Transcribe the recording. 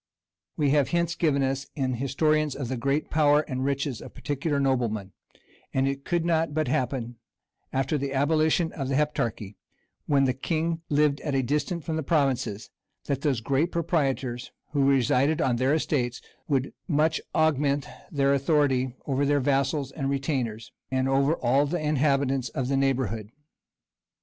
We have hints given us in historians of the great power and riches of particular noblemen; and it could not but happen, after the abolition of the Heptarchy, when the king lived at a distance from the provinces, that those great proprietors, who resided on their estates, would much augment their authority over their vassals and retainers, and over all the inhabitants of the neighborhood.